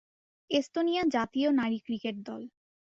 Estonia জাতীয় নারী cricket দল